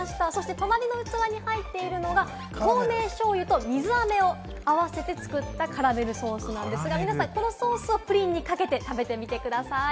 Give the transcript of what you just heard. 隣の器に入っているのが透明醤油と水あめを合わせて作ったカラメルソースなんですが、皆さんこのソースをプリンにかけて食べてみてください。